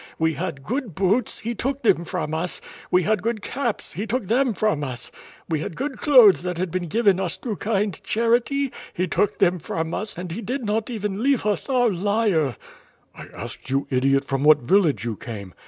We had good boots, he took them from us — we had good caps, he took them from us — we had good clothes that had been given us through kind charity, he took them from us, and he did not even leave us our lyre." "I asked you, idiot, from what village you came."